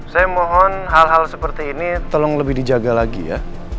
saya mohon hal hal seperti ini tolong lebih dijaga lagi ya